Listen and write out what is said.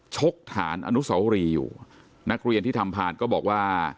กฐานอนุสาวรีอยู่นักเรียนที่ทำผ่านก็บอกว่า